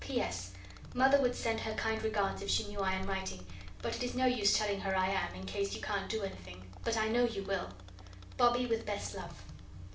P.S. Mother would send her kind regards if she knew I am writing but it is no use telling her I am, in case you can't do anything. But I know you will. Bobbie with best love."